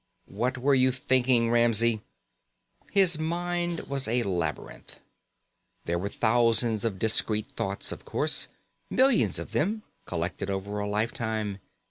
"What were you thinking, Ramsey?" His mind was a labyrinth. There were thousands of discrete thoughts, of course. Millions of them, collected over a lifetime.